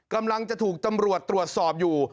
กำลังจะถูกตำรวจตรวจสอบอยู่